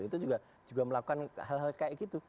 itu juga melakukan hal hal kayak gitu